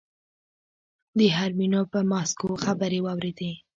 د حرمینو پر ماسکو خبرې واورېدې.